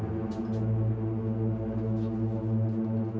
dia butuh kasih sayang nunik